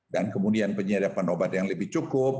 dan kemudian penyediakan obat yang lebih cukup